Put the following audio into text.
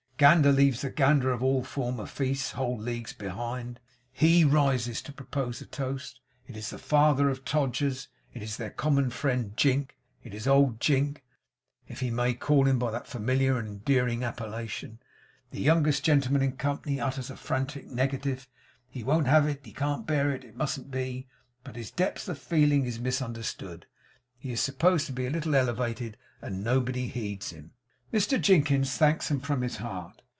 Gander leaves the Gander of all former feasts whole leagues behind. HE rises to propose a toast. It is, The Father of Todgers's. It is their common friend Jink it is old Jink, if he may call him by that familiar and endearing appellation. The youngest gentleman in company utters a frantic negative. He won't have it he can't bear it it mustn't be. But his depth of feeling is misunderstood. He is supposed to be a little elevated; and nobody heeds him. Mr Jinkins thanks them from his heart.